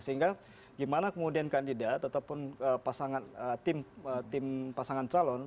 sehingga gimana kemudian kandidat ataupun pasangan tim pasangan calon